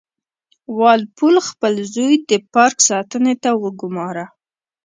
وال پول خپل زوی د پارک ساتنې ته وګوماره.